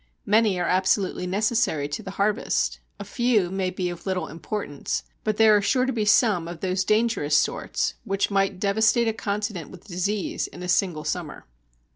Many are absolutely necessary to the harvest; a few may be of little importance, but there are sure to be some of those dangerous sorts which might devastate a continent with disease in a single summer.